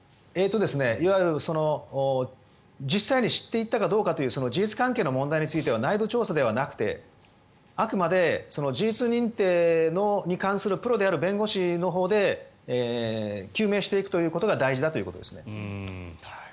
いわゆる実際に知っていたかどうかというその事実関係の問題については内部調査ではなくてあくまで事実認定に関するプロである弁護士のほうで究明していくことが大事だということです。